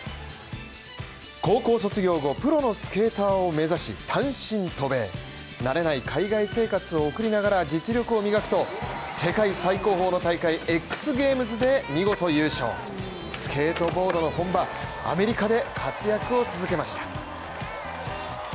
高校卒業後プロのスケーターを目指し単身渡米、慣れない海外生活を送りながら実力を磨くと、世界最高峰の大会ＸＧａｍｅｓで見事優勝スケートボードの本場アメリカで活躍を続けました。